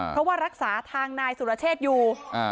เพราะว่ารักษาทางนายสุรเชษอยู่